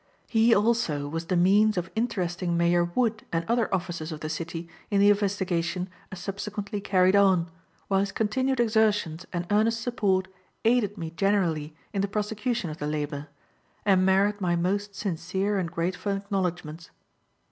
He also was the means of interesting Mayor Wood and other officers of the city in the investigation as subsequently carried on, while his continued exertions and earnest support aided me generally in the prosecution of the labor, and merit my most sincere and grateful acknowledgments.